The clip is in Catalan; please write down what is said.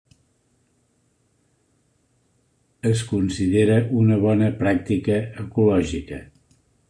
Es considera una bona pràctica ecològica.